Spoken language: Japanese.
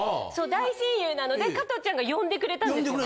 大親友なので加トちゃんが呼んでくれたんですよ。